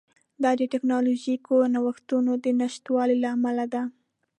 دا د ټکنالوژیکي نوښتونو د نشتوالي له امله ده